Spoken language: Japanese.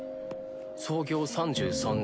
創業３３年。